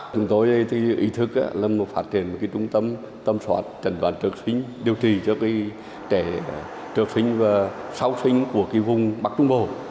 chúng tôi ý thức là phát triển một trung tâm tâm soát trần đoán trước sinh điều trị cho trẻ trường sinh và sau sinh của vùng bắc trung bộ